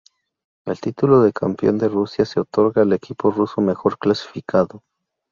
El título de Campeón de Rusia se otorga al equipo ruso mejor clasificado.